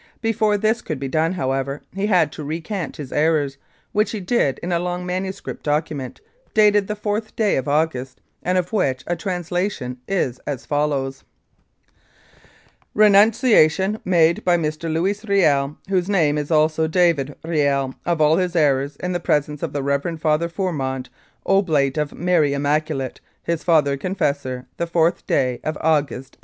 Before this could be done, however, he had to recant his errors, which he did in a long manuscript document, dated the 4th day of August, and of which a translation is as follows : "Renunciation made by Mr. Louis Riel, whose name is also ' David ' Riel, of all his errors in the presence of the Reverend Father Fourmond, Oblate of Mary Immaculate, his Father Confessor, the 4th day of August, 1885.